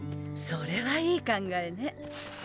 それはいい考えね。